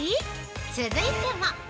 続いては。